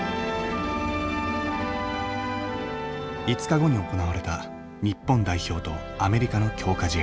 ５日後に行われた日本代表とアメリカの強化試合。